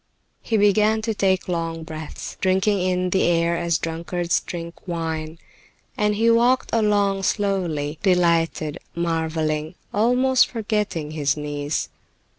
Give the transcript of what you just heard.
He began to take long breaths, drinking in the air as drunkards drink wine, and he walked along slowly, delighted, marveling, almost forgetting his niece.